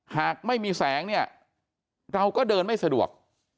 หากไม่มีแสงเนี่ยเราก็เดินไม่สะดวก